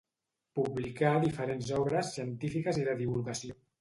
Publicà diferents obres científiques i de divulgació.